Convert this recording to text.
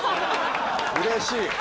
うれしい！